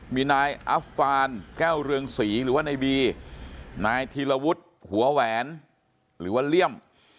มีนายอัฟฟานแก้วเรืองศรีหรือว่าในบีนายธีรวุฒิหัวแหวนหรือว่าเลี่ยม